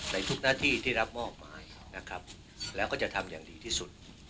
ในทุกหน้าที่ที่รับมอบหมายนะครับแล้วก็จะทำอย่างดีที่สุด